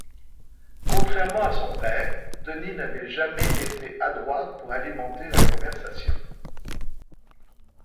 Contrairement à son père, Denis n’avait jamais été adroit pour alimenter la conversation.